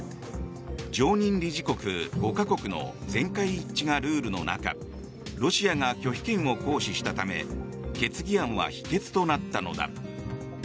常任理事国５か国の全会一致がルールの中ロシアが拒否権を行使したため決議案は否決となったのだ。